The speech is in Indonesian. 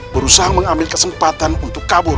berusaha mengambil kesempatan untuk kabur